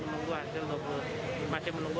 masih menunggu hasil swab